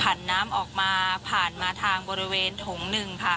น้ำออกมาผ่านมาทางบริเวณถงหนึ่งค่ะ